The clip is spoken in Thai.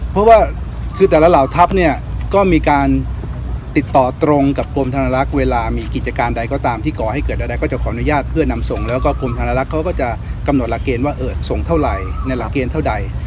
เพราะว่าคือแต่ละเหล่าทัพเนี่ยก็มีการติดต่อตรงกับกรมธนลักษณ์เวลามีกิจการใดก็ตามที่ก่อให้เกิดใดก็จะขออนุญาตเพื่อนำส่งแล้วก็กรมธนลักษณ์เขาก็จะกำหนดหลักเกณฑ์ว่าเออส่งเท่าไหร่ในหลักเกณฑ์เท่าใด